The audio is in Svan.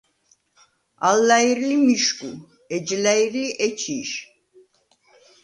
ალ ლა̈ირ ლი მიშგუ, ეჯ ლა̈ირ ლი ეჩი̄შ.